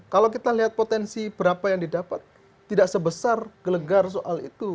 kalau kita lihat potensi berapa yang didapat tidak sebesar gelegar soal itu